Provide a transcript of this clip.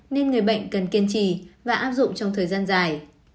nên người bệnh cần kiên trì và áp dụng trong thời gian dài